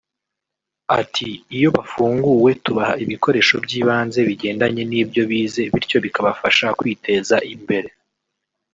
Ati”Iyo bafunguwe tubaha ibikoresho by’ibanze bigendanye n’ibyo bize bityo bikabafasha kwiteza mbere